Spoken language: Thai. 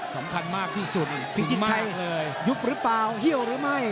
สำคัญมากที่สุดถึงมากเลยพี่จิตชัยยุบหรือเปล่าเหี้ยวหรือไม่